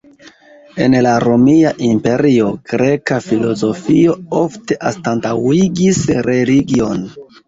En la romia imperio, greka filozofio ofte anstataŭigis religion.